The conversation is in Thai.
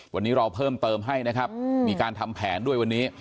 วันนี้เราเพิ่มเติมให้นะครับมีการทำแผนด้วยวันนี้